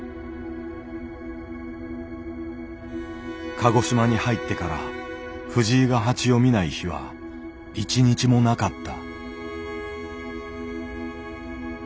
鹿児島に入ってから藤井が蜂を見ない日は一日もなかった。